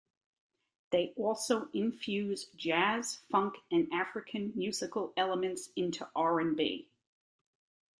They also infuse jazz, funk, and African musical elements into R and B.